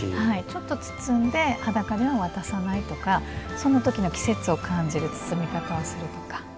ちょっと包んで裸では渡さないとか、そのときの季節を感じる包み方をするとか。